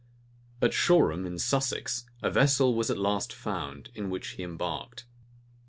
At Shoreham, in Sussex, a vessel was at last found, in which he embarked.